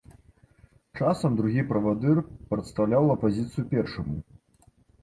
Часам другі правадыр прадстаўляў апазіцыю першаму.